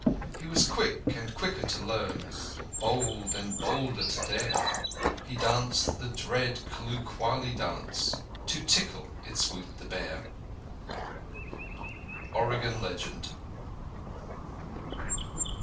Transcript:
He was quick and quicker to learn— Bold and bolder to dare: He danced the dread Kloo Kwallie Dance To tickle Itswoot the Bear! _Oregon Legend.